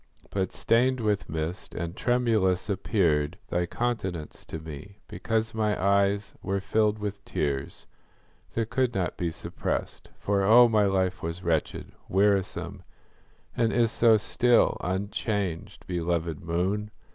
But stained with mist, and tremulous, appeared Thy countenance to me, because my eyes Were filled with tears, that could not be suppressed; For, oh, my life was wretched, wearisome, And is so still, unchanged, belovèd moon!